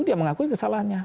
dia mengakui kesalahannya